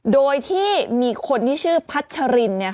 โดยที่มีคนที่ชื่อพัชริน